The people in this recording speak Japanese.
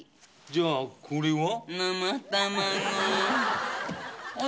じゃあこれは？